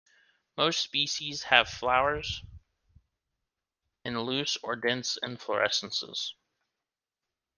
Most species have flowers in loose or dense inflorescences.